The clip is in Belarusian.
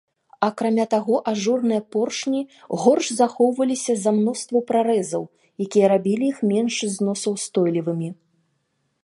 Акрамя таго, ажурныя поршні горш захоўваліся з-за мноства прарэзаў, якія рабілі іх менш зносаўстойлівымі.